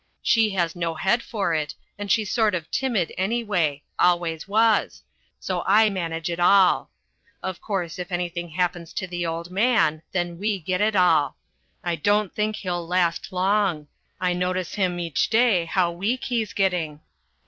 She has no head for it, and she's sort of timid anyway always was so I manage it all. Of course, if anything happens to the old man, then we get it all. I don't think he'll last long. I notice him each day, how weak he's getting.